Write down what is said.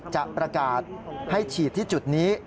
จะประกาศให้ฉีดที่จุดนี้